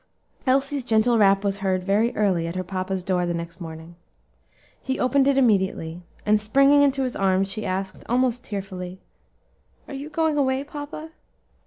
Elsie's gentle rap was heard very early at her papa's door the next morning. He opened it immediately, and springing into his arms, she asked, almost tearfully, "Are you going away, papa?"